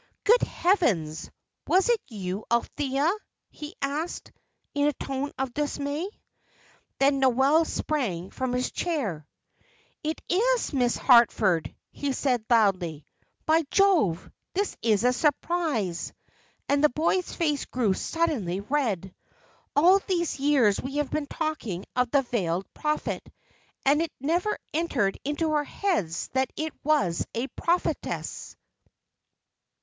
"Good heavens! was it you, Althea?" he asked, in a tone of dismay. Then Noel sprang from his chair. "It is Miss Harford!" he said, loudly. "By Jove! this is a surprise!" and the boy's face grew suddenly red. "All these years we have been talking of the Veiled Prophet, and it never entered into our heads that it was a prophetess."